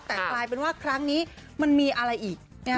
แต่กลายเป็นว่าครั้งนี้มันมีอะไรอีก